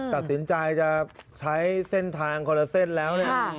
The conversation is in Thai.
ตัดสินใจจะใช้เส้นทางคนละเส้นแล้วเนี่ย